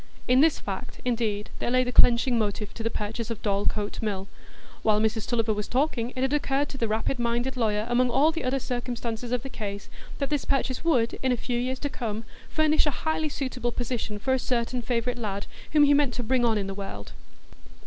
In this fact, indeed, there lay the clenching motive to the purchase of Dorlcote Mill. While Mrs Tulliver was talking, it had occurred to the rapid minded lawyer, among all the other circumstances of the case, that this purchase would, in a few years to come, furnish a highly suitable position for a certain favourite lad whom he meant to bring on in the world.